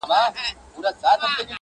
ما پر اوو دنياوو وسپارئ، خبر نه وم خو,